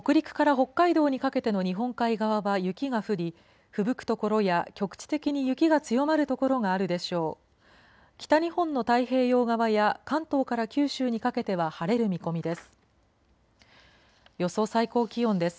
北日本の太平洋側や、関東から九州にかけては晴れる見込みです。